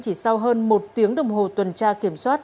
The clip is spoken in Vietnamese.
chỉ sau hơn một tiếng đồng hồ tuần tra kiểm soát